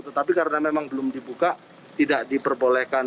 tetapi karena memang belum dibuka tidak diperbolehkan